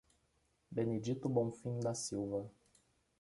Benedito Bonfim da Silva